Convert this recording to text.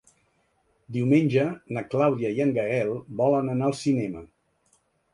Diumenge na Clàudia i en Gaël volen anar al cinema.